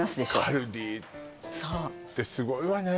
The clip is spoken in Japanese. カルディってすごいわね